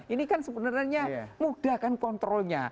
ini kan sebenarnya mudah kan kontrolnya